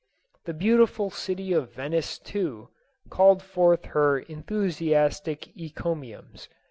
The beautiful city of Venice, too, called forth her enthusiastic encomiums.